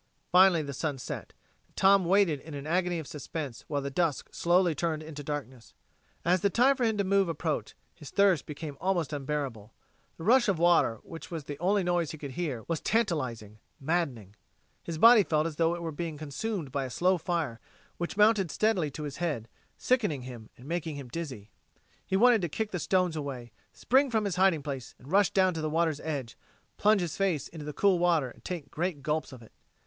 Finally the sun set, and Tom waited in an agony of suspense while the dusk slowly turned into darkness. As the time for him to move approached, his thirst became almost unbearable. The rush of the water, which was the only noise he could hear, was tantalizing, maddening. His body felt as though it were being consumed by a slow fire, which mounted steadily to his head, sickening him and making him dizzy. He wanted to kick the stones away, spring from his hiding place and rush down to the water's edge, plunge his face into the cool water and take great gulps of it....